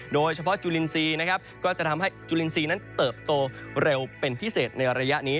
โดยเฉพาะจุลินซีนะครับก็จะทำให้จุลินซีนั้นเติบโตเร็วเป็นพิเศษในระยะนี้